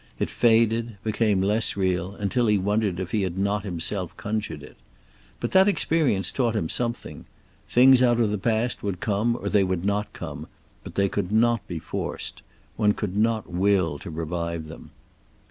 It faded, became less real, until he wondered if he had not himself conjured it. But that experience taught him something. Things out of the past would come or they would not come, but they could not be forced. One could not will to revive them.